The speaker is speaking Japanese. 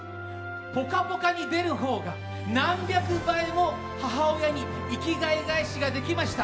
「ぽかぽか」に出るほうが何百倍も母親に生きがい返しができました。